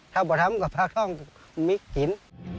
ถ้าบอกทำก็ปลากท่องมีหิน